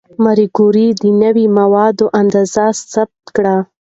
ماري کوري د نوې ماده اندازه ثبت کړه.